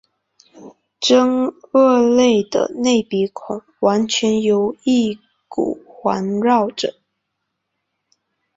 真鳄类的内鼻孔完全由翼骨环绕者。